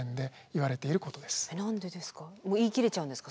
えっ何でですか？